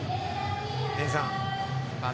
姉さん。